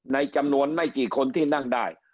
ในจำนวนไม่กี่คนที่นั่งได้